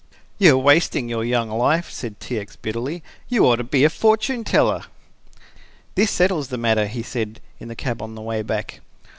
"You are wasting your young life," said T. X. bitterly. "You ought to be a fortune teller." "This settles the matter," he said, in the cab on the way back.